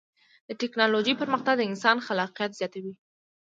د ټکنالوجۍ پرمختګ د انسان خلاقیت زیاتوي.